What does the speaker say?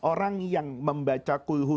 orang yang membaca kulhu